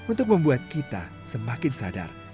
untuk membuat kita semakin sadar